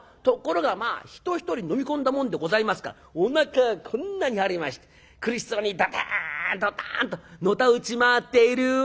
ところがまあ人一人飲み込んだもんでございますからおなかがこんなに張りまして苦しそうにドタンドタンとのたうち回っている。